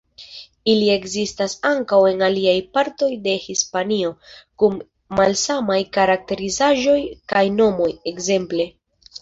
Ili ekzistas ankaŭ en aliaj partoj de Hispanio, kun malsamaj karakterizaĵoj kaj nomoj, ekzemple.